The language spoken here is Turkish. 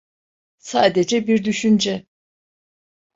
Sadece bir düşünce.